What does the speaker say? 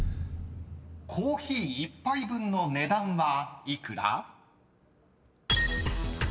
［コーヒー１杯分の値段は幾ら？］